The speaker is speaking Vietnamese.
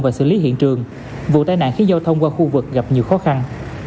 và xử lý hiện trường vụ tai nạn khiến giao thông qua khu vực gặp nhiều khó khăn